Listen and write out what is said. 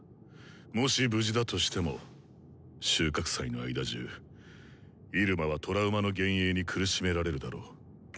もし無事だとしても収穫祭の間じゅうイルマはトラウマの幻影に苦しめられるだろう。